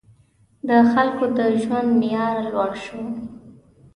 • د خلکو د ژوند معیار لوړ شو.